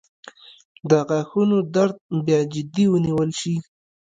• د غاښونو درد باید جدي ونیول شي.